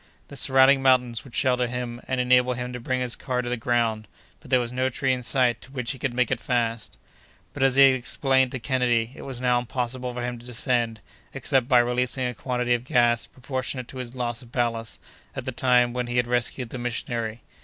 The surrounding mountains would shelter him, and enable him to bring his car to the ground, for there was no tree in sight to which he could make it fast. But, as he had explained to Kennedy, it was now impossible for him to descend, except by releasing a quantity of gas proportionate to his loss of ballast at the time when he had rescued the missionary.